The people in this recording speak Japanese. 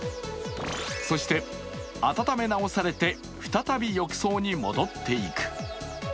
そして、温め直されて、再び浴槽に戻っていく。